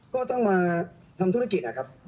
ก็ต้องมาทำธุรกิจนะครับ